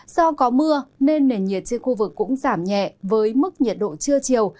do có mưa nên nền nhiệt trên khu vực cũng giảm nhẹ với mức nhiệt độ trưa chiều